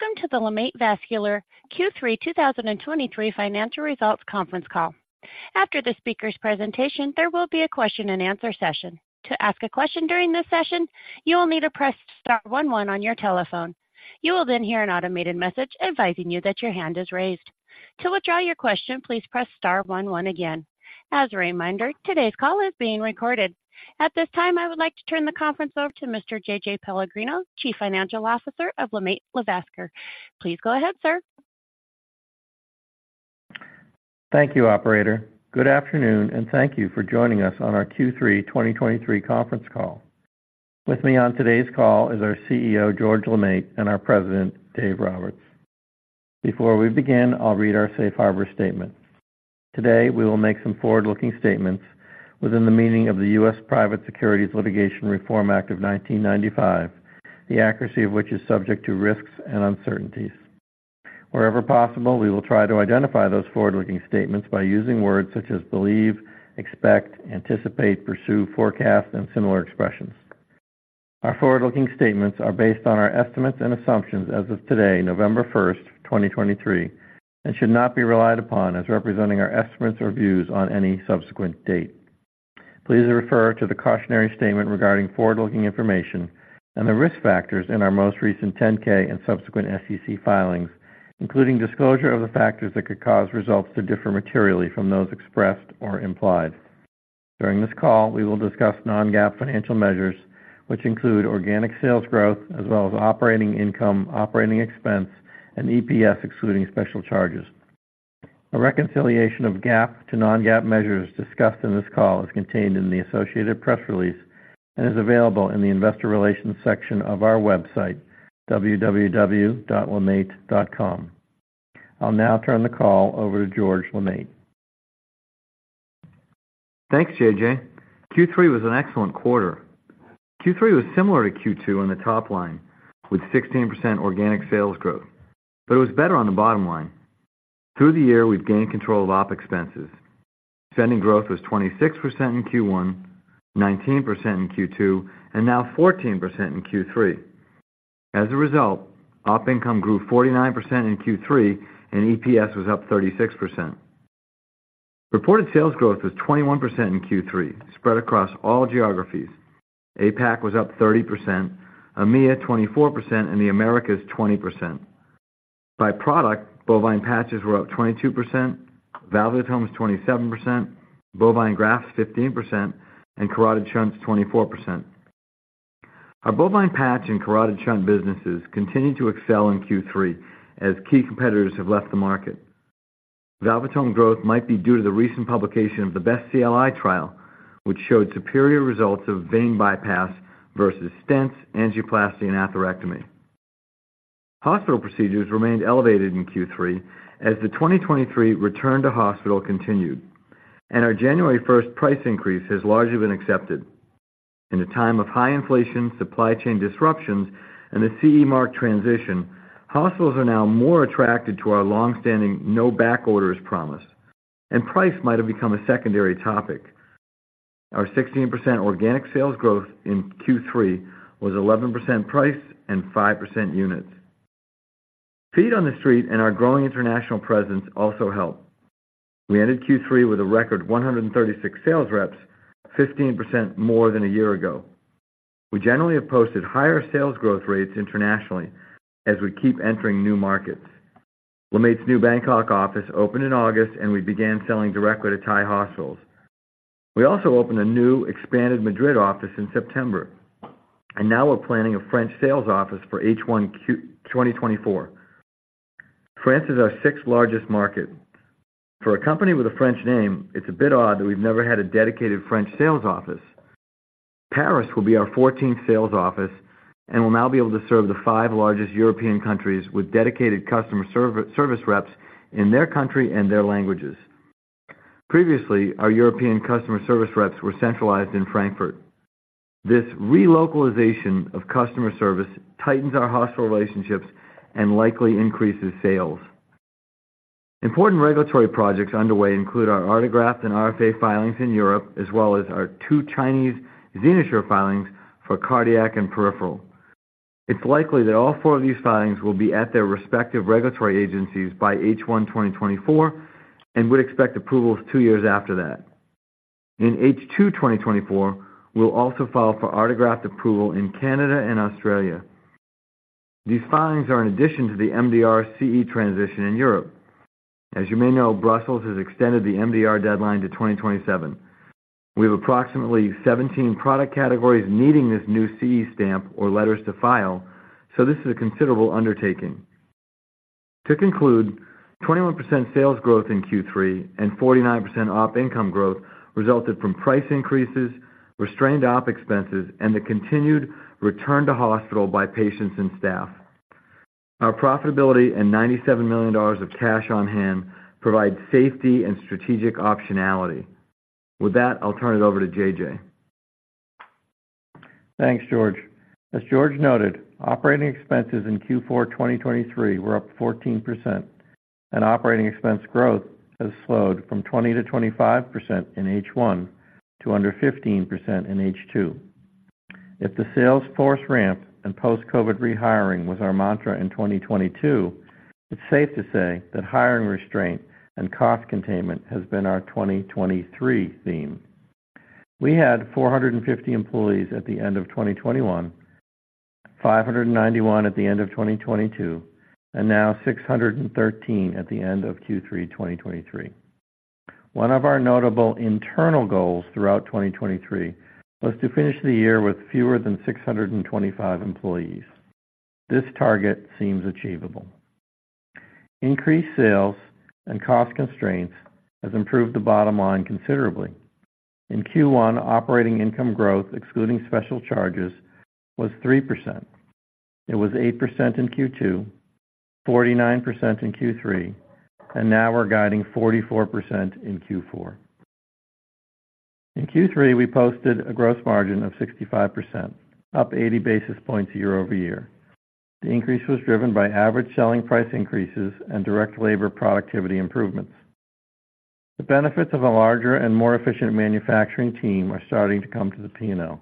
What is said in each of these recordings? Welcome to the LeMaitre Vascular Q3 2023 Financial Results conference call. After the speaker's presentation, there will be a question-and-answer session. To ask a question during this session, you will need to press star one one on your telephone. You will then hear an automated message advising you that your hand is raised. To withdraw your question, please press star one one again. As a reminder, today's call is being recorded. At this time, I would like to turn the conference over to Mr. J.J. Pellegrino, Chief Financial Officer of LeMaitre Vascular. Please go ahead, sir. Thank you, operator. Good afternoon, and thank you for joining us on our Q3 2023 conference call. With me on today's call is our CEO, George LeMaitre, and our President, Dave Roberts. Before we begin, I'll read our safe harbor statement. Today, we will make some forward-looking statements within the meaning of the U.S. Private Securities Litigation Reform Act of 1995, the accuracy of which is subject to risks and uncertainties. Wherever possible, we will try to identify those forward-looking statements by using words such as believe, expect, anticipate, pursue, forecast, and similar expressions. Our forward-looking statements are based on our estimates and assumptions as of today, November 1, 2023, and should not be relied upon as representing our estimates or views on any subsequent date. Please refer to the cautionary statement regarding forward-looking information and the risk factors in our most recent 10-K and subsequent SEC filings, including disclosure of the factors that could cause results to differ materially from those expressed or implied. During this call, we will discuss non-GAAP financial measures, which include organic sales growth as well as operating income, operating expense, and EPS, excluding special charges. A reconciliation of GAAP to non-GAAP measures discussed in this call is contained in the associated press release and is available in the Investor Relations section of our website, www.lemaitre.com. I'll now turn the call over to George LeMaitre. Thanks, J.J. Q3 was an excellent quarter. Q3 was similar to Q2 on the top line, with 16% organic sales growth, but it was better on the bottom line. Through the year, we've gained control of op expenses. Spending growth was 26% in Q1, 19% in Q2, and now 14% in Q3. As a result, op income grew 49% in Q3, and EPS was up 36%. Reported sales growth was 21% in Q3, spread across all geographies. APAC was up 30%, EMEA 24%, and the Americas 20%. By product, bovine patches were up 22%, valvulotomes 27%, bovine grafts 15%, and carotid shunts 24%. Our bovine patch and carotid shunt businesses continued to excel in Q3 as key competitors have left the market. Valvulotome growth might be due to the recent publication of the BEST-CLI trial, which showed superior results of vein bypass versus stents, angioplasty, and atherectomy. Hospital procedures remained elevated in Q3 as the 2023 return to hospital continued, and our January 1 price increase has largely been accepted. In a time of high inflation, supply chain disruptions, and the CE Mark transition, hospitals are now more attracted to our long-standing no back orders promise, and price might have become a secondary topic. Our 16% organic sales growth in Q3 was 11% price and 5% units. Feet on the street and our growing international presence also helped. We ended Q3 with a record 136 sales reps, 15% more than a year ago. We generally have posted higher sales growth rates internationally as we keep entering new markets. LeMaitre's new Bangkok office opened in August, and we began selling directly to Thai hospitals. We also opened a new, expanded Madrid office in September, and now we're planning a French sales office for H1 2024. France is our sixth largest market. For a company with a French name, it's a bit odd that we've never had a dedicated French sales office. Paris will be our 14th sales office and will now be able to serve the five largest European countries with dedicated customer service reps in their country and their languages. Previously, our European customer service reps were centralized in Frankfurt. This relocalization of customer service tightens our hospital relationships and likely increases sales. Important regulatory projects underway include our Artegraft and RFA filings in Europe, as well as our two Chinese XenoSure filings for cardiac and peripheral. It's likely that all four of these filings will be at their respective regulatory agencies by H1 2024, and we'd expect approvals two years after that. In H2 2024, we'll also file for Artegraft approval in Canada and Australia. These filings are in addition to the MDR CE transition in Europe. As you may know, Brussels has extended the MDR deadline to 2027. We have approximately 17 product categories needing this new CE stamp or letters to file, so this is a considerable undertaking. To conclude, 21% sales growth in Q3 and 49% op income growth resulted from price increases, restrained op expenses, and the continued return to hospital by patients and staff. Our profitability and $97 million of cash on hand provide safety and strategic optionality. With that, I'll turn it over to J.J. Thanks, George. As George noted, operating expenses in Q4 2023 were up 14%, and operating expense growth has slowed from 20%-25% in H1 to under 15% in H2. If the sales force ramp and post-COVID rehiring was our mantra in 2022, it's safe to say that hiring restraint and cost containment has been our 2023 theme. We had 450 employees at the end of 2021, 591 at the end of 2022, and now 613 at the end of Q3 2023. One of our notable internal goals throughout 2023 was to finish the year with fewer than 625 employees. This target seems achievable. Increased sales and cost constraints has improved the bottom line considerably. In Q1, operating income growth, excluding special charges, was 3%. It was 8% in Q2, 49% in Q3, and now we're guiding 44% in Q4. In Q3, we posted a gross margin of 65%, up 80 basis points year-over-year. The increase was driven by average selling price increases and direct labor productivity improvements. The benefits of a larger and more efficient manufacturing team are starting to come to the P&L.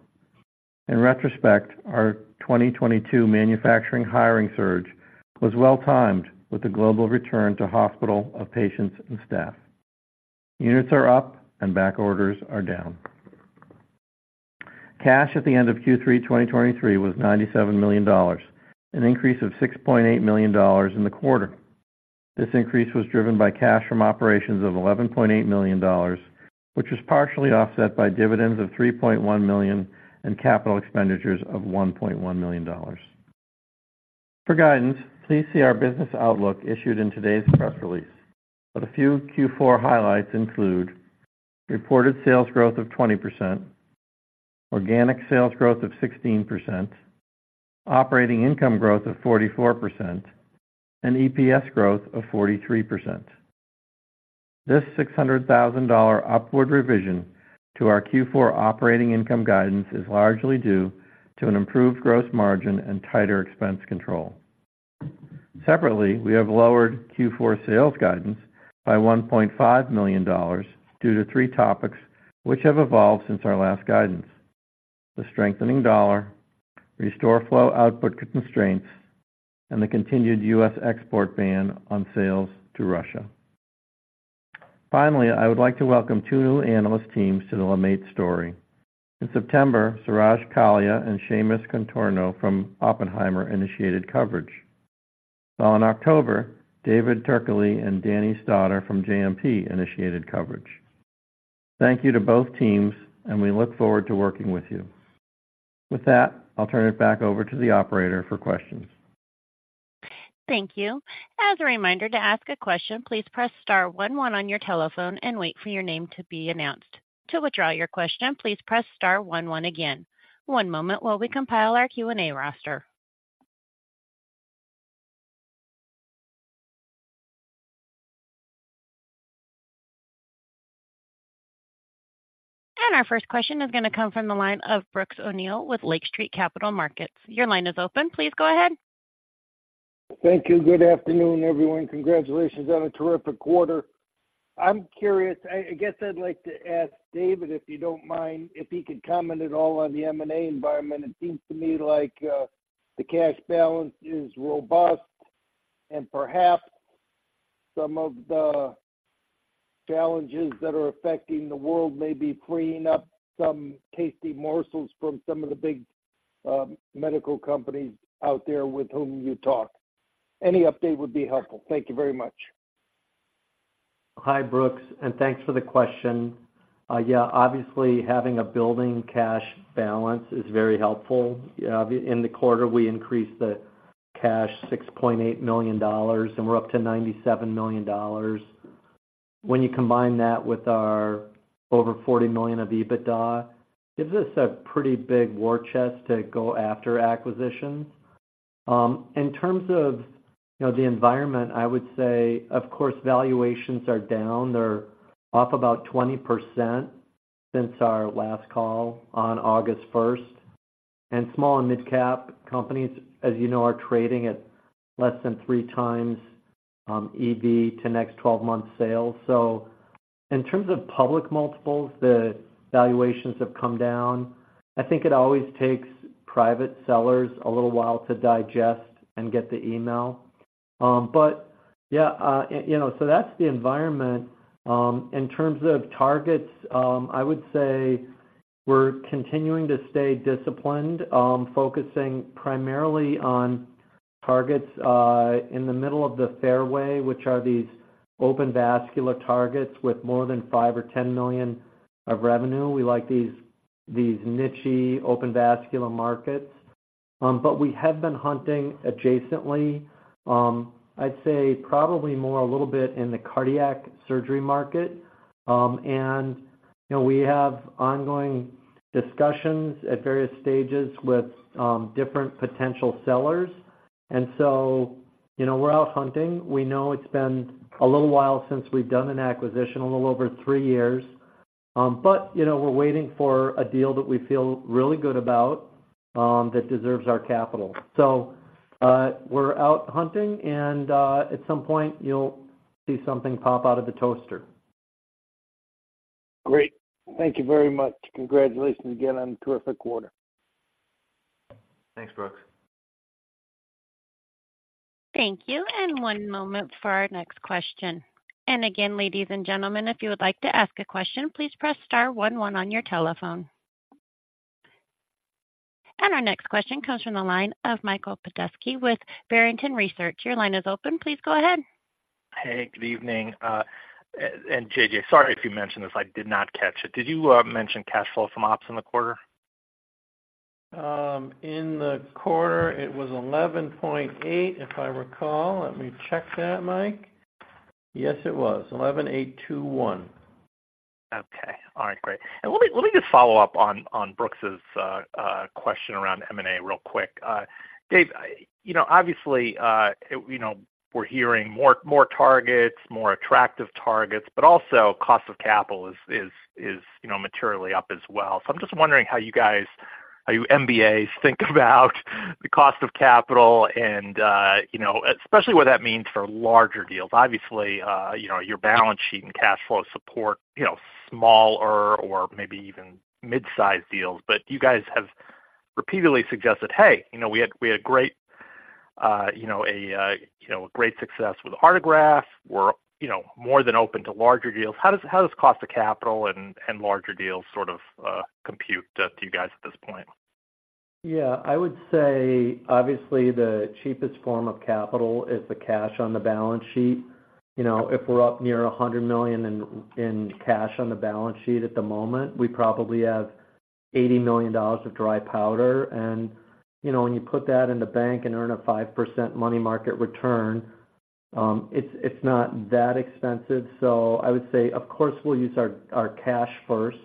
In retrospect, our 2022 manufacturing hiring surge was well timed with the global return to hospital of patients and staff. Units are up and back orders are down. Cash at the end of Q3 2023 was $97 million, an increase of $6.8 million in the quarter. This increase was driven by cash from operations of $11.8 million, which was partially offset by dividends of $3.1 million and capital expenditures of $1.1 million. For guidance, please see our business outlook issued in today's press release. A few Q4 highlights include: reported sales growth of 20%, organic sales growth of 16%, operating income growth of 44%, and EPS growth of 43%. This $600,000 upward revision to our Q4 operating income guidance is largely due to an improved gross margin and tighter expense control. Separately, we have lowered Q4 sales guidance by $1.5 million due to three topics which have evolved since our last guidance: the strengthening dollar, RestoreFlow output constraints, and the continued U.S. export ban on sales to Russia. Finally, I would like to welcome two new analyst teams to the LeMaitre story. In September, Suraj Kalia and Seamus Contorno from Oppenheimer initiated coverage. While in October, David Turkaly and Danny Stauder from JMP initiated coverage. Thank you to both teams, and we look forward to working with you. With that, I'll turn it back over to the operator for questions. Thank you. As a reminder, to ask a question, please press star one, one on your telephone and wait for your name to be announced. To withdraw your question, please press star one, one again. One moment while we compile our Q&A roster. Our first question is going to come from the line of Brooks O'Neil with Lake Street Capital Markets. Your line is open. Please go ahead. Thank you. Good afternoon, everyone. Congratulations on a terrific quarter. I'm curious, I guess I'd like to ask David, if you don't mind, if he could comment at all on the M&A environment. It seems to me like, the cash balance is robust, and perhaps some of the challenges that are affecting the world may be freeing up some tasty morsels from some of the big, medical companies out there with whom you talk. Any update would be helpful. Thank you very much. Hi, Brooks, and thanks for the question. Yeah, obviously, having a building cash balance is very helpful. In the quarter, we increased the cash $6.8 million, and we're up to $97 million. When you combine that with our over $40 million of EBITDA, gives us a pretty big war chest to go after acquisitions. In terms of, you know, the environment, I would say, of course, valuations are down. They're off about 20% since our last call on August first, and small and mid-cap companies, as you know, are trading at less than 3x EV to next 12 months sales. So in terms of public multiples, the valuations have come down. I think it always takes private sellers a little while to digest and get the email. But yeah, you know, so that's the environment. In terms of targets, I would say we're continuing to stay disciplined, focusing primarily on targets in the middle of the fairway, which are these open vascular targets with more than $5 million or $10 million of revenue. We like these, these niche-y, open vascular markets. But we have been hunting adjacently. I'd say probably more a little bit in the cardiac surgery market. And, you know, we have ongoing discussions at various stages with different potential sellers, and so, you know, we're out hunting. We know it's been a little while since we've done an acquisition, a little over three years. But, you know, we're waiting for a deal that we feel really good about, that deserves our capital. So, we're out hunting, and at some point, you'll see something pop out of the toaster. Great. Thank you very much. Congratulations again on a terrific quarter. Thanks, Brooks. Thank you, and one moment for our next question. Again, ladies and gentlemen, if you would like to ask a question, please press star one one on your telephone. Our next question comes from the line of Michael Petusky with Barrington Research. Your line is open. Please go ahead. Hey, good evening. J.J., sorry, if you mentioned this, I did not catch it. Did you mention cash flow from ops in the quarter? In the quarter, it was 11.8, if I recall. Let me check that, Mike. Yes, it was 11.821. Okay. All right, great. Let me just follow up on Brooks's question around M&A real quick. Dave, you know, obviously, you know, we're hearing more, more targets, more attractive targets, but also cost of capital is, is, you know, materially up as well. I'm just wondering how you guys, how you MBAs think about the cost of capital and, you know, especially what that means for larger deals. Obviously, you know, your balance sheet and cash flow support, you know, smaller or maybe even mid-sized deals. You guys have repeatedly suggested, "Hey, you know, we had, we had great, you know, a, you know, a great success with Artegraft. We're, you know, more than open to larger deals." How does cost of capital and larger deals sort of compute to you guys at this point? Yeah, I would say, obviously, the cheapest form of capital is the cash on the balance sheet. You know, if we're up near $100 million in cash on the balance sheet at the moment, we probably have $80 million of dry powder. And, you know, when you put that in the bank and earn a 5% money market return, it's not that expensive. So I would say, of course, we'll use our cash first.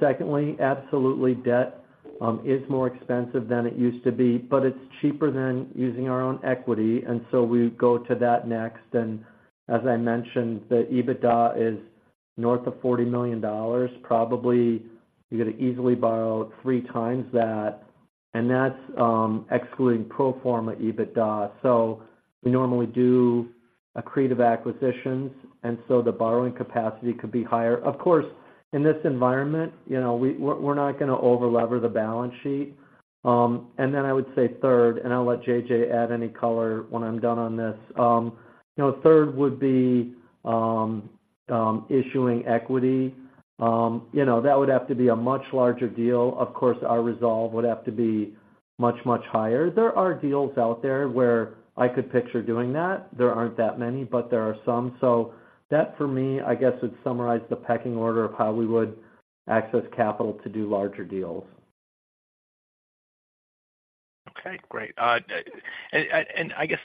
Secondly, absolutely, debt is more expensive than it used to be, but it's cheaper than using our own equity, and so we go to that next. And as I mentioned, the EBITDA is north of $40 million. Probably, you're going to easily borrow 3x that, and that's excluding pro forma EBITDA. So we normally do accretive acquisitions, and so the borrowing capacity could be higher. Of course, in this environment, you know, we're not going to over lever the balance sheet. And then I would say third, and I'll let J.J. add any color when I'm done on this. You know, third would be issuing equity. You know, that would have to be a much larger deal. Of course, our resolve would have to be much, much higher. There are deals out there where I could picture doing that. There aren't that many, but there are some. So that, for me, I guess, would summarize the pecking order of how we would access capital to do larger deals. Okay, great. And I guess,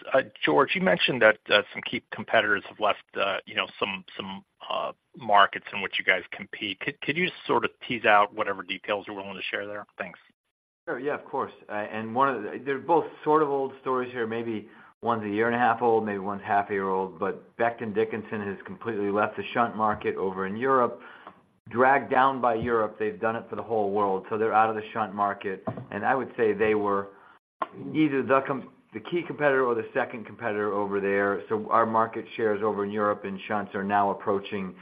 George, you mentioned that some key competitors have left, you know, some markets in which you guys compete. Could you sort of tease out whatever details you're willing to share there? Thanks. Sure. Yeah, of course. And one of the... They're both sort of old stories here. Maybe one's a year and a half old, maybe one's half a year old. But Becton Dickinson has completely left the shunt market over in Europe, dragged down by Europe. They've done it for the whole world, so they're out of the shunt market. And I would say they were either the key competitor or the second competitor over there. So our market shares over in Europe, and shunts are now approaching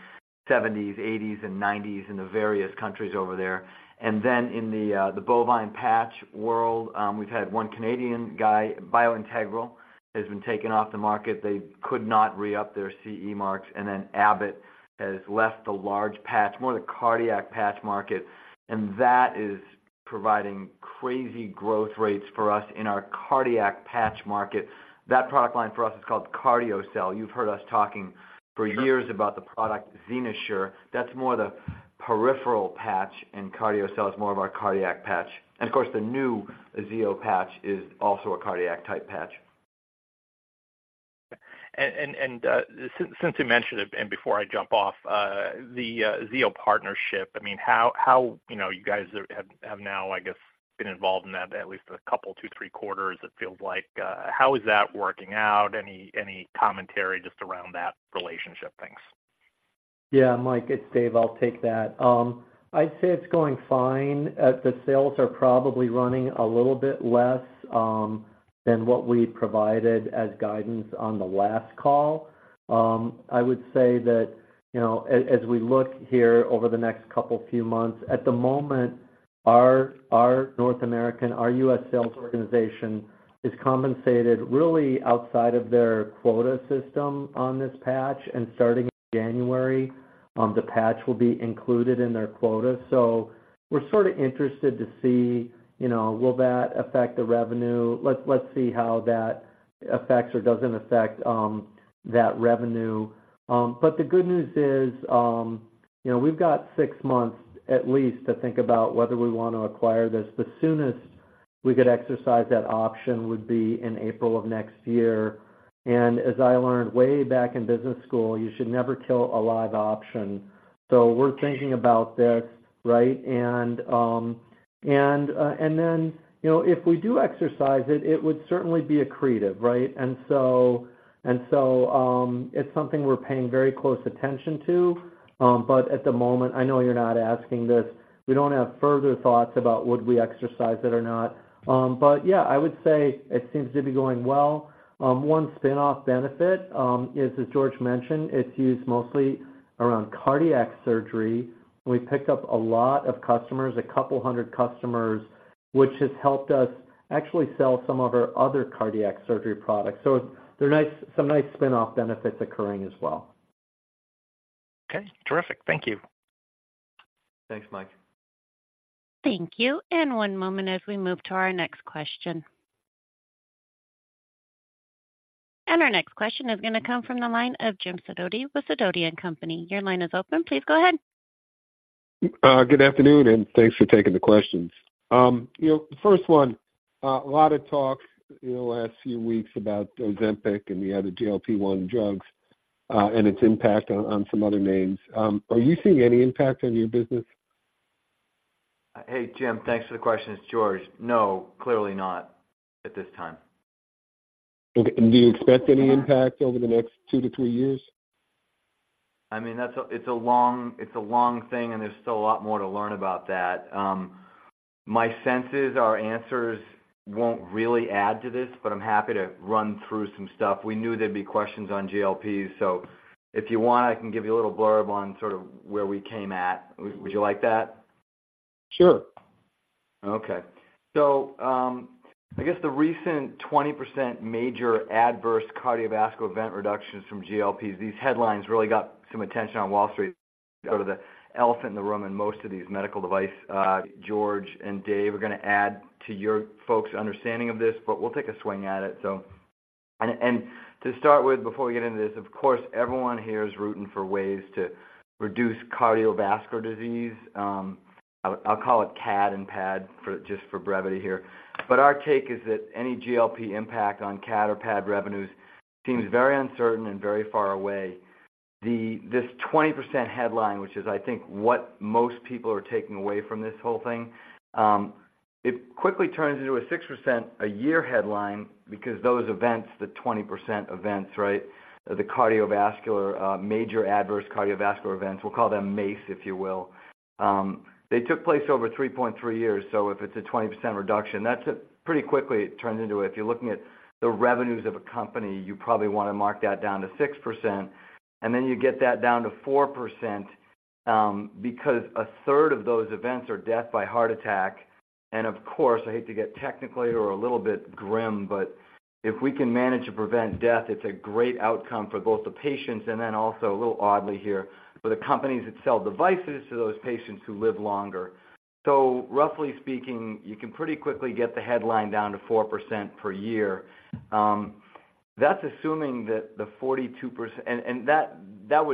70s, 80s, and 90s in the various countries over there. And then in the bovine patch world, we've had one Canadian guy, BioIntegral, has been taken off the market. They could not re-up their CE marks, and then Abbott has left the large patch, more the cardiac patch market, and that is providing crazy growth rates for us in our cardiac patch market. That product line for us is called CardioCel. You've heard us talking for years about the product XenoSure. That's more the peripheral patch, and CardioCel is more of our cardiac patch. Of course, the new Xeno patch is also a cardiac-type patch. Since you mentioned it, and before I jump off, the Aziyo partnership, I mean, how, you know, you guys have now, I guess, been involved in that at least a couple, two, three quarters, it feels like, how is that working out? Any commentary just around that relationship? Thanks. Yeah, Mike, it's Dave. I'll take that. I'd say it's going fine. The sales are probably running a little bit less than what we provided as guidance on the last call. I would say that, you know, as we look here over the next couple, few months, at the moment, our North American, our U.S. sales organization is compensated really outside of their quota system on this patch, and starting in January, the patch will be included in their quota. So we're sort of interested to see, you know, will that affect the revenue? Let's see how that affects or doesn't affect that revenue. But the good news is, you know, we've got six months at least to think about whether we want to acquire this. The soonest we could exercise that option would be in April of next year. And as I learned way back in business school, you should never kill a live option. So we're thinking about this, right? And then, you know, if we do exercise it, it would certainly be accretive, right? And so, it's something we're paying very close attention to. But at the moment, I know you're not asking this, we don't have further thoughts about would we exercise it or not. But yeah, I would say it seems to be going well. One spin-off benefit is, as George mentioned, it's used mostly around cardiac surgery. We picked up a lot of customers, a couple hundred customers-... which has helped us actually sell some of our other cardiac surgery products. So there are some nice spin-off benefits occurring as well. Okay, terrific. Thank you. Thanks, Mike. Thank you. One moment as we move to our next question. Our next question is going to come from the line of Jim Sidoti with Sidoti & Company. Your line is open. Please go ahead. Good afternoon, and thanks for taking the questions. You know, the first one, a lot of talk in the last few weeks about Ozempic and the other GLP-1 drugs, and its impact on some other names. Are you seeing any impact on your business? Hey, Jim, thanks for the question. It's George. No, clearly not at this time. Okay. Do you expect any impact over the next two to three years? I mean, that's a long thing, and there's still a lot more to learn about that. My sense is our answers won't really add to this, but I'm happy to run through some stuff. We knew there'd be questions on GLPs, so if you want, I can give you a little blurb on sort of where we came at. Would you like that? Sure. Okay. So, I guess the recent 20% major adverse cardiovascular event reductions from GLPs, these headlines really got some attention on Wall Street, sort of the elephant in the room in most of these medical device, George and Dave are going to add to your folks' understanding of this, but we'll take a swing at it. So. And to start with, before we get into this, of course, everyone here is rooting for ways to reduce cardiovascular disease. I'll call it CAD and PAD for just for brevity here. But our take is that any GLP impact on CAD or PAD revenues seems very uncertain and very far away. This 20% headline, which is, I think, what most people are taking away from this whole thing, it quickly turns into a 6% a year headline because those events, the 20% events, right, the cardiovascular major adverse cardiovascular events, we'll call them MACE, if you will, they took place over 3.3 years. So if it's a 20% reduction, that's a pretty quickly it turns into a... If you're looking at the revenues of a company, you probably want to mark that down to 6%, and then you get that down to 4%, because a third of those events are death by heart attack. Of course, I hate to get technically or a little bit grim, but if we can manage to prevent death, it's a great outcome for both the patients and then also, a little oddly here, for the companies that sell devices to those patients who live longer. So roughly speaking, you can pretty quickly get the headline down to 4% per year. That's assuming that the 42%... And that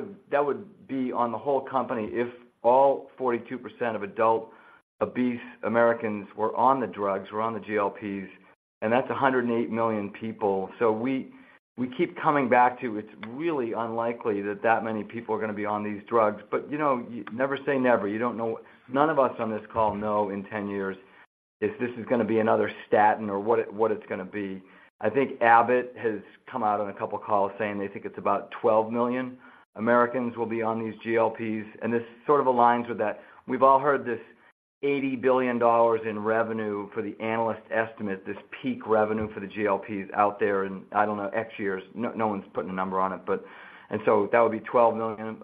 would be on the whole company if all 42% of adult obese Americans were on the drugs, were on the GLPs, and that's 108 million people. So we keep coming back to, it's really unlikely that many people are going to be on these drugs, but you know, you never say never. You don't know—none of us on this call know in 10 years if this is going to be another statin or what it, what it's going to be. I think Abbott has come out on a couple of calls saying they think it's about 12 million Americans will be on these GLPs, and this sort of aligns with that. We've all heard this $80 billion in revenue for the analyst estimate, this peak revenue for the GLPs out there in, I don't know, X years. No, no one's putting a number on it, but... And so that would be 12 million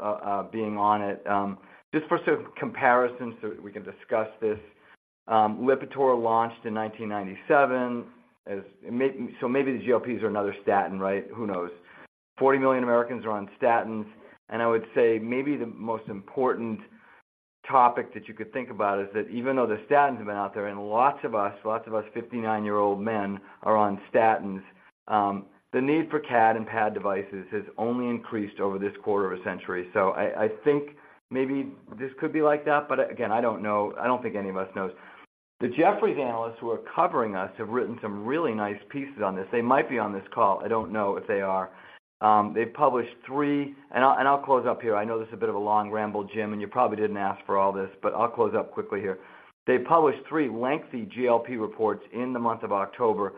being on it. Just for sort of comparison, so we can discuss this, Lipitor launched in 1997 as... So maybe the GLPs are another statin, right? Who knows? 40 million Americans are on statins, and I would say maybe the most important topic that you could think about is that even though the statins have been out there, and lots of us, lots of us 59-year-old men are on statins, the need for CAD and PAD devices has only increased over this quarter of a century. So I think maybe this could be like that, but again, I don't know. I don't think any of us knows. The Jefferies analysts who are covering us have written some really nice pieces on this. They might be on this call. I don't know if they are. They've published three... And I'll close up here. I know this is a bit of a long ramble, Jim, and you probably didn't ask for all this, but I'll close up quickly here. They published three lengthy GLP reports in the month of October,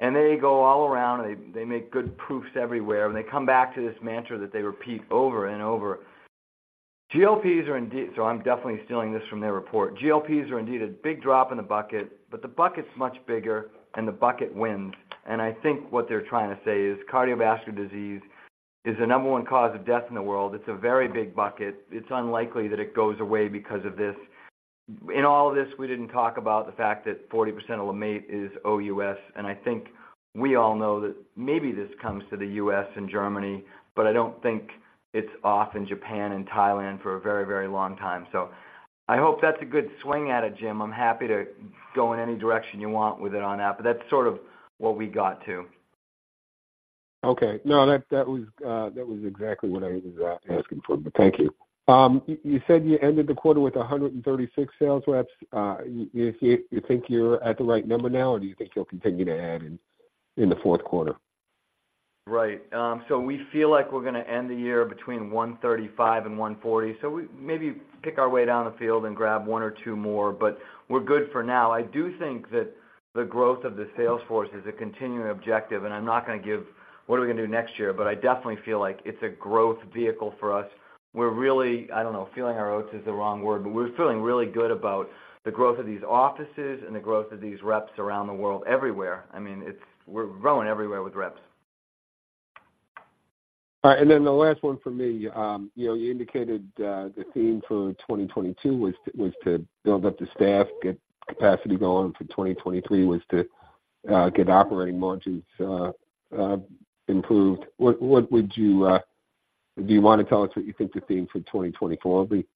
and they go all around, and they, they make good proofs everywhere, and they come back to this mantra that they repeat over and over: GLPs are indeed... So I'm definitely stealing this from their report. "GLPs are indeed a big drop in the bucket, but the bucket's much bigger and the bucket wins." And I think what they're trying to say is cardiovascular disease is the number one cause of death in the world. It's a very big bucket. It's unlikely that it goes away because of this. In all of this, we didn't talk about the fact that 40% of LeMaitre is OUS, and I think we all know that maybe this comes to the U.S. and Germany, but I don't think it's off in Japan and Thailand for a very, very long time. I hope that's a good swing at it, Jim. I'm happy to go in any direction you want with it on that, but that's sort of what we got to. Okay. No, that, that was exactly what I was asking for. But thank you. You said you ended the quarter with 136 sales reps. You think you're at the right number now, or do you think you'll continue to add in the fourth quarter? Right. So we feel like we're going to end the year between 135 and 140. So we maybe pick our way down the field and grab one or two more, but we're good for now. I do think that the growth of the sales force is a continuing objective, and I'm not going to give what are we going to do next year, but I definitely feel like it's a growth vehicle for us. We're really, I don't know, feeling our oats is the wrong word, but we're feeling really good about the growth of these offices and the growth of these reps around the world, everywhere. I mean, it's. We're growing everywhere with reps. ... All right, and then the last one for me. You know, you indicated the theme for 2022 was to build up the staff, get capacity going for 2023, was to get operating margins improved. What would you do you want to tell us what you think the theme for 2024 will be?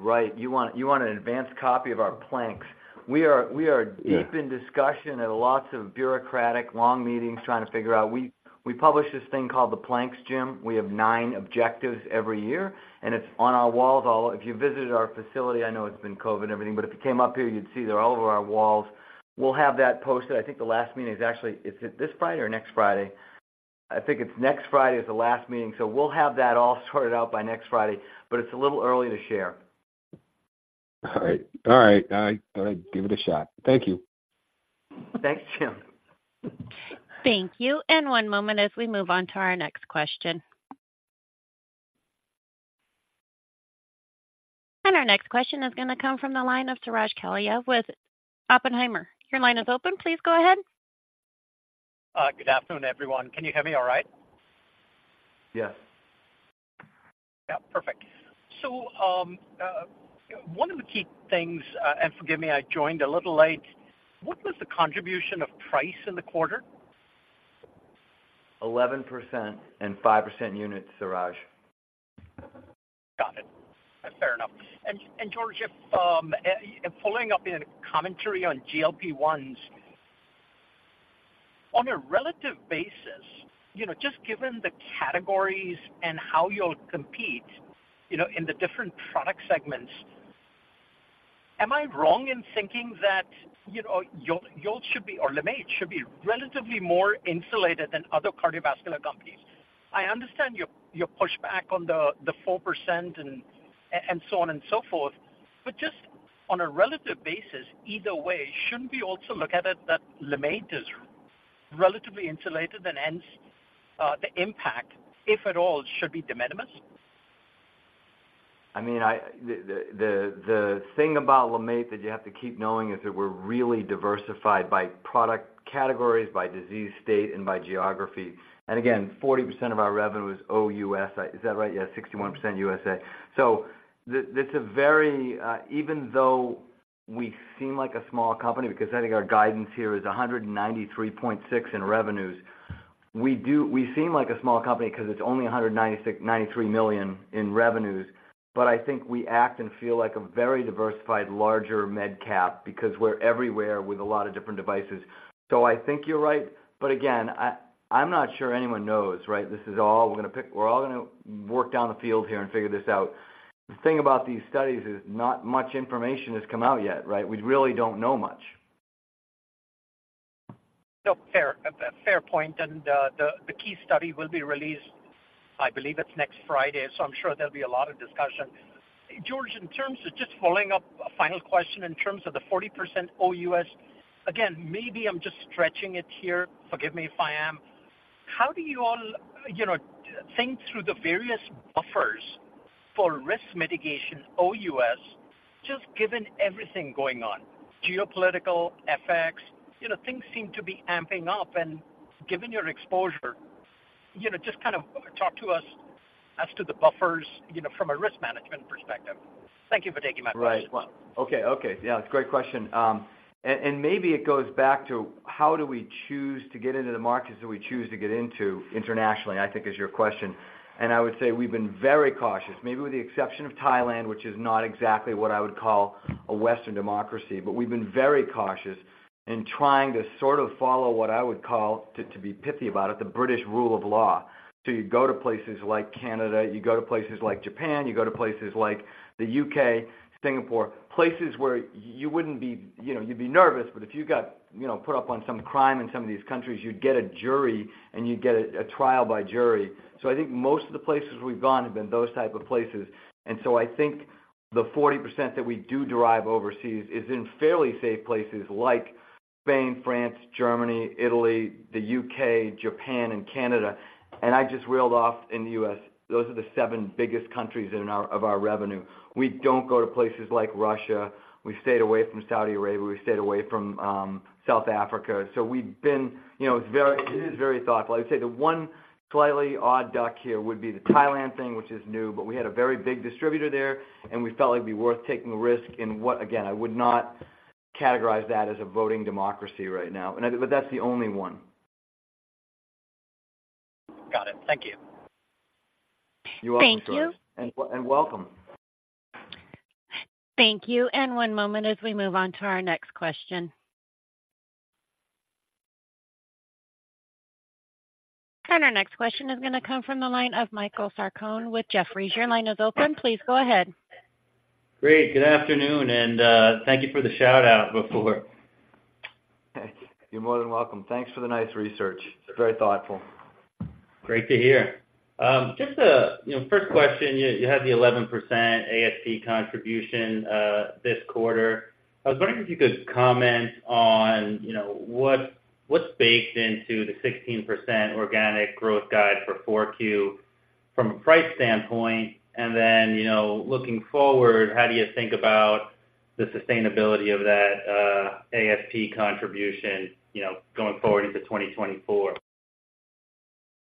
Right. You want an advanced copy of our plans. We are Yeah Deep in discussion and lots of bureaucratic, long meetings trying to figure out. We publish this thing called the planks, Jim. We have nine objectives every year, and it's on our walls. All- if you visited our facility, I know it's been COVID and everything, but if you came up here, you'd see they're all over our walls. We'll have that posted. I think the last meeting is actually... Is it this Friday or next Friday? I think it's next Friday is the last meeting, so we'll have that all sorted out by next Friday, but it's a little early to share. All right. All right. I give it a shot. Thank you. Thanks, Jim. Thank you. One moment as we move on to our next question. Our next question is going to come from the line of Suraj Kalia with Oppenheimer. Your line is open. Please go ahead. Good afternoon, everyone. Can you hear me all right? Yes. Yeah, perfect. So, one of the key things, and forgive me, I joined a little late. What was the contribution of price in the quarter? 11% and 5% units, Suraj. Got it. Fair enough. And George, if and following up in a commentary on GLP-1s, on a relative basis, you know, just given the categories and how you'll compete, you know, in the different product segments, am I wrong in thinking that, you know, you'll should be, or LeMaitre should be relatively more insulated than other cardiovascular companies? I understand your pushback on the 4% and so on and so forth, but just on a relative basis, either way, shouldn't we also look at it that LeMaitre is relatively insulated and hence the impact, if at all, should be de minimis? I mean, the thing about LeMaitre that you have to keep knowing is that we're really diversified by product categories, by disease state, and by geography. And again, 40% of our revenue is OUS. Is that right? Yeah, 61% USA. So it's a very even though we seem like a small company, because I think our guidance here is $193.6 million in revenues, we seem like a small company because it's only a hundred and ninety-six-$193 million in revenues, but I think we act and feel like a very diversified, larger mid cap because we're everywhere with a lot of different devices. So I think you're right, but again, I, I'm not sure anyone knows, right? This is all we're going to. We're all going to work down the field here and figure this out. The thing about these studies is not much information has come out yet, right? We really don't know much. No, fair, fair point. And the key study will be released, I believe it's next Friday, so I'm sure there'll be a lot of discussion. George, in terms of just following up, a final question in terms of the 40% OUS, again, maybe I'm just stretching it here, forgive me if I am. How do you all, you know, think through the various buffers for risk mitigation OUS, just given everything going on, geopolitical, FX, you know, things seem to be amping up, and given your exposure, you know, just kind of talk to us as to the buffers, you know, from a risk management perspective. Thank you for taking my call as well. Right. Okay. Okay. Yeah, it's a great question. And maybe it goes back to how do we choose to get into the markets that we choose to get into internationally, I think is your question. And I would say we've been very cautious, maybe with the exception of Thailand, which is not exactly what I would call a Western democracy, but we've been very cautious in trying to sort of follow what I would call, to be pithy about it, the British rule of law. So you go to places like Canada, you go to places like Japan, you go to places like the U.K., Singapore, places where you wouldn't be... You know, you'd be nervous, but if you got, you know, put up on some crime in some of these countries, you'd get a jury and you'd get a trial by jury. So I think most of the places we've gone have been those type of places. And so I think the 40% that we do derive overseas is in fairly safe places like Spain, France, Germany, Italy, the U.K., Japan, and Canada. And I just reeled off in the U.S., those are the seven biggest countries of our revenue. We don't go to places like Russia. We stayed away from Saudi Arabia. We stayed away from South Africa. So we've been, you know, it's very, it is very thoughtful. I would say the one slightly odd duck here would be the Thailand thing, which is new, but we had a very big distributor there, and we felt like it'd be worth taking a risk. And what again, I would not categorize that as a voting democracy right now, and I but that's the only one. Got it. Thank you. You're welcome, Suraj. Thank you. Welcome. Thank you, and one moment as we move on to our next question. Our next question is going to come from the line of Michael Sarcone with Jefferies. Your line is open. Please go ahead. Great. Good afternoon, and thank you for the shout out before. You're more than welcome. Thanks for the nice research. It's very thoughtful. Great to hear. Just a, you know, first question, you had the 11% ASP contribution this quarter. I was wondering if you could comment on, you know, what, what's baked into the 16% organic growth guide for 4Q?... from a price standpoint, and then, you know, looking forward, how do you think about the sustainability of that, ASP contribution, you know, going forward into 2024?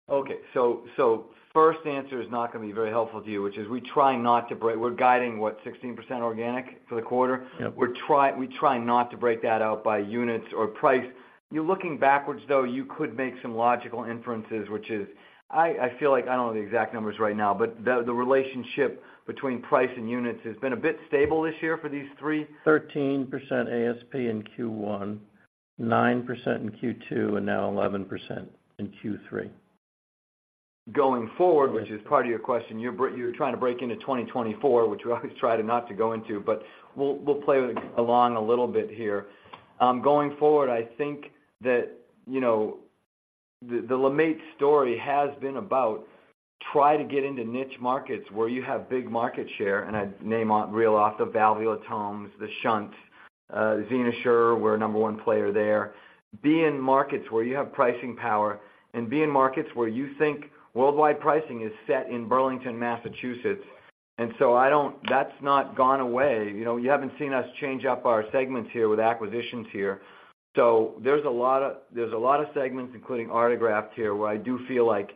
Okay. So first answer is not going to be very helpful to you, which is we try not to break. We're guiding, what, 16% organic for the quarter? Yep. We try not to break that out by units or price. You're looking backwards, though, you could make some logical inferences, which is, I feel like I don't know the exact numbers right now, but the relationship between price and units has been a bit stable this year for these three. 13% ASP in Q1, 9% in Q2, and now 11% in Q3. Going forward, which is part of your question, you're trying to break into 2024, which we always try not to go into, but we'll, we'll play along a little bit here. Going forward, I think that, you know, the LeMaitre story has been about try to get into niche markets where you have big market share, and I'd reel off the valvulotomes, the shunts, XenoSure, we're a number one player there. Be in markets where you have pricing power, and be in markets where you think worldwide pricing is set in Burlington, Massachusetts. And so I don't... That's not gone away. You know, you haven't seen us change up our segments here with acquisitions here. So there's a lot of, there's a lot of segments, including Artegraft here, where I do feel like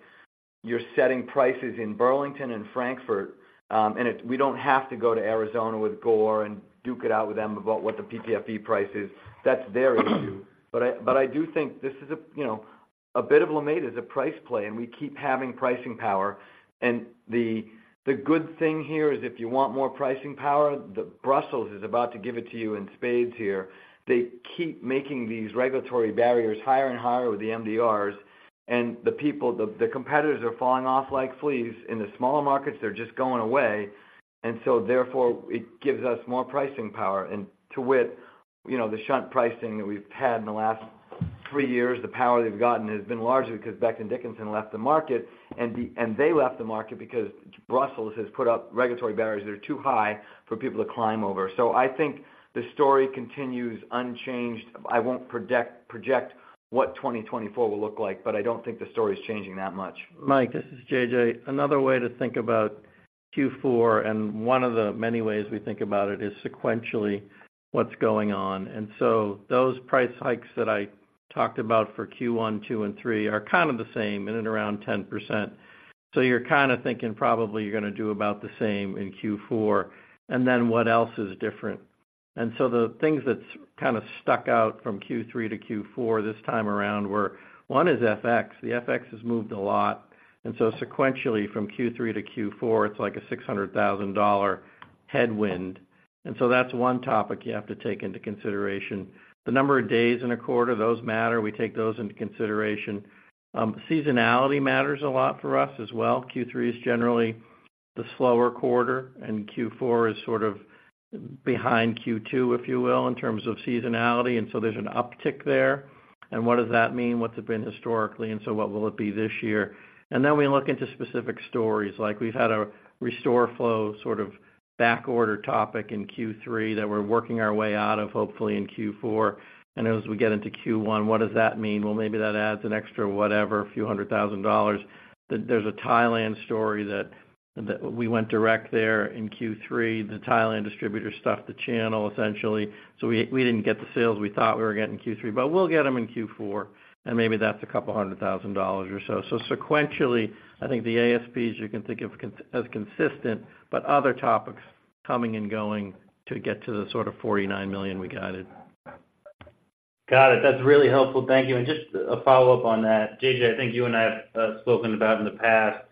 you're setting prices in Burlington and Frankfurt, and it, we don't have to go to Arizona with Gore and duke it out with them about what the PTFE price is. That's their issue. But I, but I do think this is a, you know, a bit of LeMaitre is a price play, and we keep having pricing power. And the, the good thing here is if you want more pricing power, the Brussels is about to give it to you in spades here. They keep making these regulatory barriers higher and higher with the MDRs, and the people, the, the competitors are falling off like fleas. In the smaller markets, they're just going away, and so therefore, it gives us more pricing power. To wit, you know, the shunt pricing that we've had in the last three years, the power they've gotten has been largely because Becton Dickinson left the market, and they left the market because Brussels has put up regulatory barriers that are too high for people to climb over. So I think the story continues unchanged. I won't project what 2024 will look like, but I don't think the story is changing that much. Mike, this is J.J. Another way to think about Q4, and one of the many ways we think about it, is sequentially what's going on. And so those price hikes that I talked about for Q1, Q2, and Q3 are kind of the same, in and around 10%. So you're kind of thinking probably you're going to do about the same in Q4, and then what else is different? And so the things that's kind of stuck out from Q3-Q4 this time around were, one is FX. The FX has moved a lot, and so sequentially from Q3-Q4, it's like a $600,000 headwind. And so that's one topic you have to take into consideration. The number of days in a quarter, those matter, we take those into consideration. Seasonality matters a lot for us as well. Q3 is generally the slower quarter, and Q4 is sort of behind Q2, if you will, in terms of seasonality, and so there's an uptick there. What does that mean? What's it been historically, and so what will it be this year? Then we look into specific stories, like we've had a RestoreFlow, sort of back order topic in Q3 that we're working our way out of, hopefully in Q4. As we get into Q1, what does that mean? Well, maybe that adds an extra whatever, few hundred thousand dollars. There's a Thailand story that we went direct there in Q3. The Thailand distributor stuffed the channel, essentially, so we didn't get the sales we thought we were getting in Q3, but we'll get them in Q4, and maybe that's a couple hundred thousand dollars or so. So sequentially, I think the ASPs you can think of constant as consistent, but other topics coming and going to get to the sort of $49 million we guided. Got it. That's really helpful. Thank you. And just a follow-up on that: J.J., I think you and I have spoken about in the past,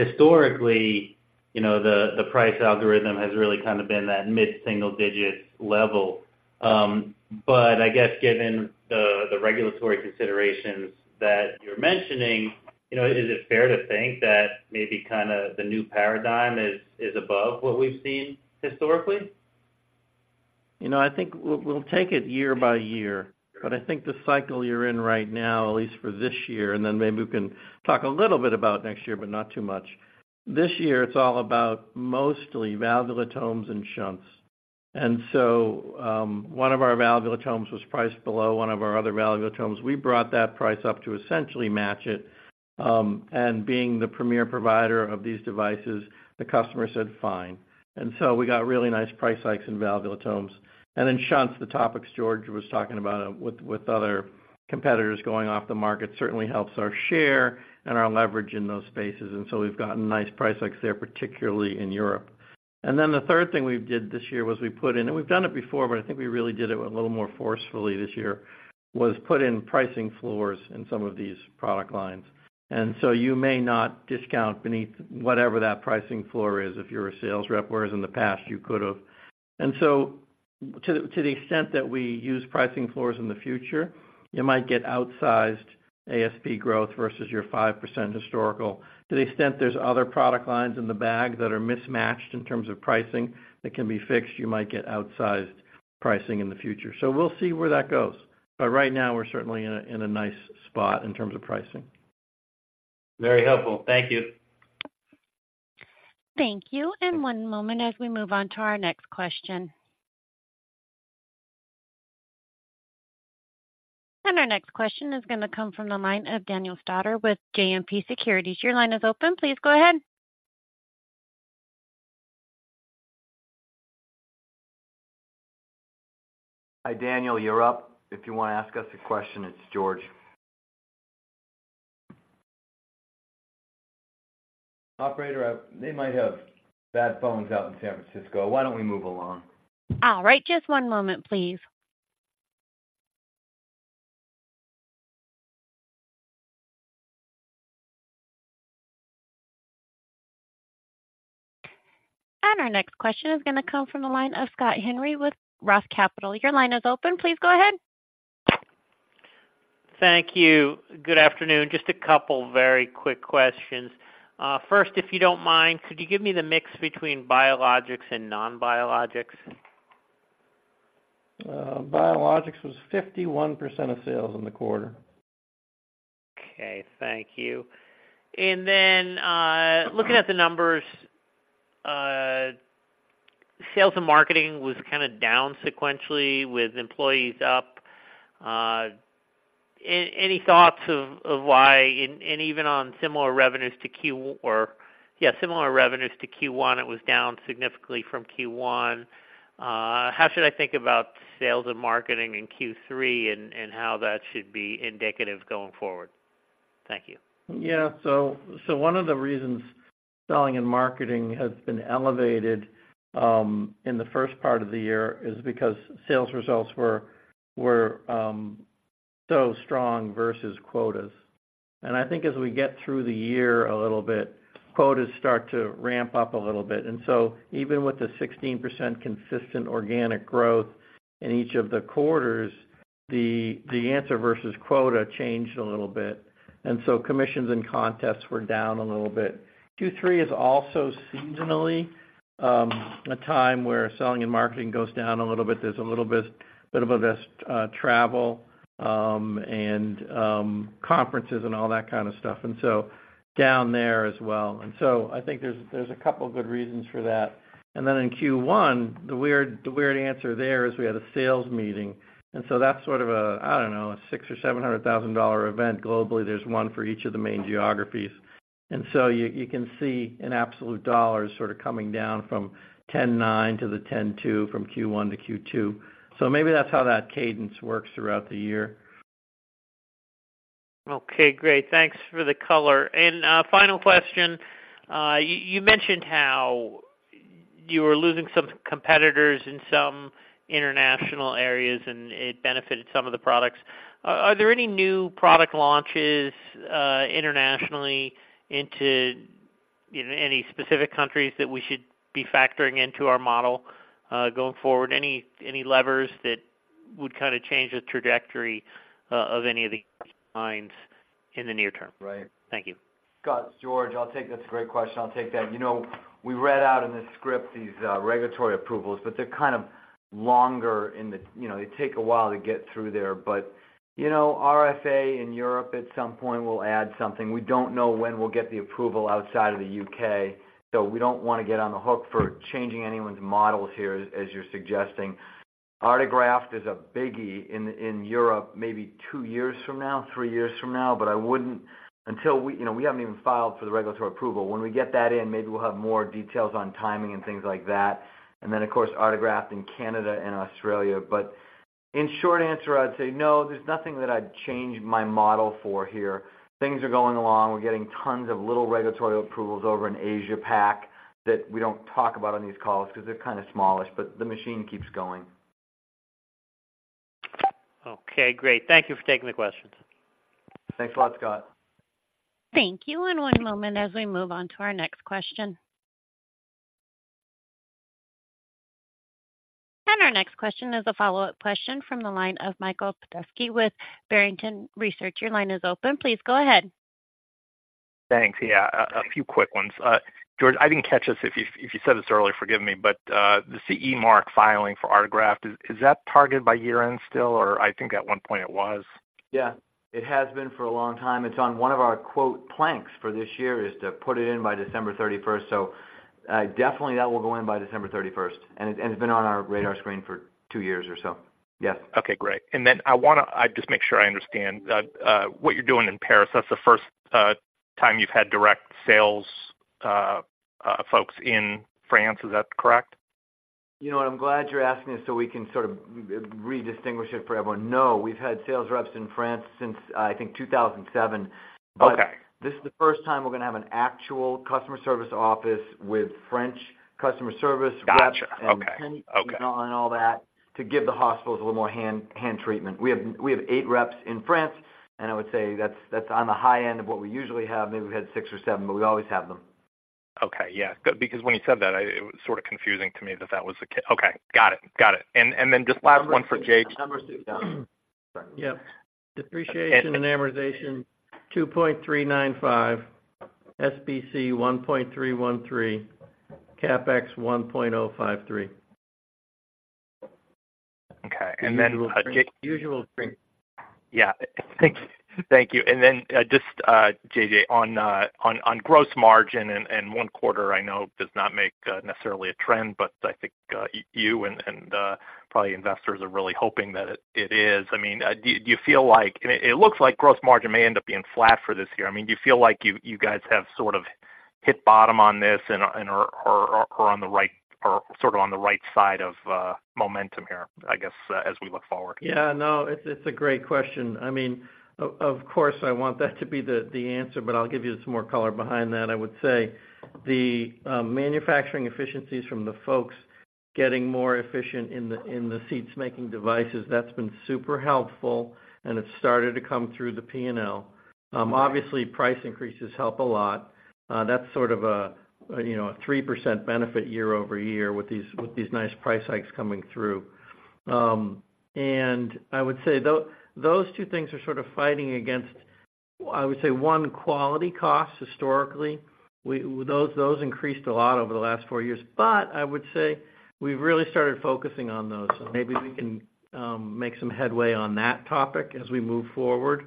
historically, you know, the price algorithm has really kind of been that mid-single digit level. But I guess given the regulatory considerations that you're mentioning, you know, is it fair to think that maybe kind of the new paradigm is above what we've seen historically? You know, I think we'll take it year by year. But I think the cycle you're in right now, at least for this year, and then maybe we can talk a little bit about next year, but not too much. This year, it's all about mostly valvulotomes and shunts. And so, one of our valvulotomes was priced below one of our other valvulotomes. We brought that price up to essentially match it. And being the premier provider of these devices, the customer said, "Fine." And so we got really nice price hikes in valvulotomes. And in shunts, the topics George was talking about, with other competitors going off the market, certainly helps our share and our leverage in those spaces, and so we've gotten nice price hikes there, particularly in Europe. And then the third thing we did this year was we put in, and we've done it before, but I think we really did it a little more forcefully this year, was put in pricing floors in some of these product lines. And so you may not discount beneath whatever that pricing floor is if you're a sales rep, whereas in the past, you could have. And so to the, to the extent that we use pricing floors in the future, you might get outsized ASP growth versus your 5% historical. To the extent there's other product lines in the bag that are mismatched in terms of pricing that can be fixed, you might get outsized pricing in the future. So we'll see where that goes. But right now, we're certainly in a, in a nice spot in terms of pricing. Very helpful. Thank you. Thank you. One moment as we move on to our next question... Our next question is going to come from the line of Danny Stauder with JMP Securities. Your line is open. Please go ahead. Hi, Daniel, you're up. If you want to ask us a question, it's George. Operator, they might have bad phones out in San Francisco. Why don't we move along? All right, just one moment, please. Our next question is gonna come from the line of Scott Henry with Roth Capital Partners. Your line is open. Please go ahead. Thank you. Good afternoon. Just a couple very quick questions. First, if you don't mind, could you give me the mix between biologics and non-biologics? Biologics was 51% of sales in the quarter. Okay, thank you. And then, looking at the numbers, sales and marketing was kind of down sequentially with employees up. Any thoughts of why? And even on similar revenues to Q1, it was down significantly from Q1. How should I think about sales and marketing in Q3 and how that should be indicative going forward? Thank you. Yeah. So one of the reasons selling and marketing has been elevated in the first part of the year is because sales results were so strong versus quotas. And I think as we get through the year a little bit, quotas start to ramp up a little bit. And so even with the 16% consistent organic growth in each of the quarters, the answer versus quota changed a little bit, and so commissions and contests were down a little bit. Q3 is also seasonally a time where selling and marketing goes down a little bit. There's a little bit of this travel and conferences and all that kind of stuff, and so down there as well. And so I think there's a couple of good reasons for that. In Q1, the weird, the weird answer there is we had a sales meeting, and so that's sort of a, I don't know, a $600,000 or $700,000 event. Globally, there's one for each of the main geographies. You can see in absolute dollars sort of coming down from $1,090,000 -$1,020,000, from Q1-Q2. Maybe that's how that cadence works throughout the year. Okay, great. Thanks for the color. And, final question. You, you mentioned how you were losing some competitors in some international areas, and it benefited some of the products. Are, are there any new product launches, internationally into, you know, any specific countries that we should be factoring into our model, going forward? Any, any levers that would kind of change the trajectory, of any of the lines in the near term? Right. Thank you. Scott, it's George. I'll take that. That's a great question. I'll take that. You know, we read out in the script these regulatory approvals, but they're kind of longer. You know, they take a while to get through there. But, you know, RFA in Europe at some point will add something. We don't know when we'll get the approval outside of the U.K., so we don't want to get on the hook for changing anyone's models here, as you're suggesting. Artegraft is a biggie in Europe, maybe two years from now, three years from now, but I wouldn't until we—you know, we haven't even filed for the regulatory approval. When we get that in, maybe we'll have more details on timing and things like that. And then, of course, Artegraft in Canada and Australia. In short answer, I'd say no, there's nothing that I'd change my model for here. Things are going along. We're getting tons of little regulatory approvals over in Asia Pac that we don't talk about on these calls because they're kind of smallish, but the machine keeps going. Okay, great. Thank you for taking the questions. Thanks a lot, Scott. Thank you. One moment as we move on to our next question. Our next question is a follow-up question from the line of Michael Petusky with Barrington Research. Your line is open. Please go ahead. Thanks. Yeah, a few quick ones. George, I didn't catch this if you said this earlier, forgive me, but the CE Mark filing for Artegraft, is that targeted by year-end still? Or I think at one point it was. Yeah, it has been for a long time. It's on one of our quote planks for this year, is to put it in by December 31st. So, definitely that will go in by December 31st, and it, and it's been on our radar screen for two years or so. Yes. Okay, great. And then I wanna just make sure I understand what you're doing in Paris. That's the first time you've had direct sales folks in France. Is that correct? You know what? I'm glad you're asking it, so we can sort of re-distinguish it for everyone. No, we've had sales reps in France since, I think, 2007. Okay. But this is the first time we're gonna have an actual customer service office with French customer service- Gotcha. reps and you know, and all that, to give the hospitals a little more hand treatment. We have eight reps in France, and I would say that's on the high end of what we usually have. Maybe we've had six or seven, but we always have them. Okay, yeah, because when you said that, I... It was sort of confusing to me that, that was the ca- Okay, got it. Got it. Just last one for J.J. Numbers are down. Yep. Depreciation and amortization, $2.395. SBC, $1.313. CapEx, $1.053. Okay, and then- Usual stream. Yeah. Thank you. Thank you. And then, just, J.J., on, on gross margin and one quarter I know does not make necessarily a trend, but I think, you and, probably investors are really hoping that it is. I mean, do you feel like... It looks like gross margin may end up being flat for this year. I mean, do you feel like you guys have sort of hit bottom on this and are on the right or sort of on the right side of momentum here, I guess, as we look forward? Yeah. No, it's, it's a great question. I mean, of course, I want that to be the, the answer, but I'll give you some more color behind that. I would say the, manufacturing efficiencies from the folks getting more efficient in the, in the seats, making devices, that's been super helpful, and it's started to come through the P&L. Obviously, price increases help a lot. That's sort of a, you know, a 3% benefit year-over-year with these, with these nice price hikes coming through. And I would say those two things are sort of fighting against, I would say, one, quality costs historically. Those, those increased a lot over the last four years, but I would say we've really started focusing on those, so maybe we can, make some headway on that topic as we move forward.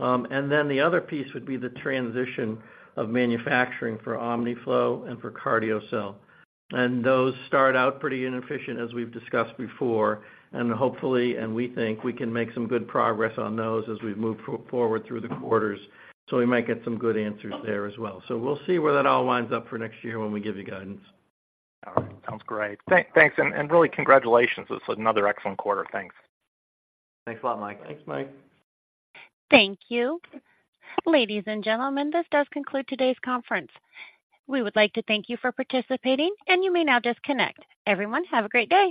And then the other piece would be the transition of manufacturing for Omniflow and for CardioCel, and those start out pretty inefficient, as we've discussed before. And hopefully, and we think we can make some good progress on those as we move forward through the quarters, so we might get some good answers there as well. So we'll see where that all winds up for next year when we give you guidance. All right. Sounds great. Thanks, and really congratulations. This is another excellent quarter. Thanks. Thanks a lot, Mike. Thanks, Mike. Thank you. Ladies and gentlemen, this does conclude today's conference. We would like to thank you for participating, and you may now disconnect. Everyone, have a great day.